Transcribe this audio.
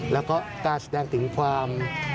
แล้วก็การแสดงถึงความ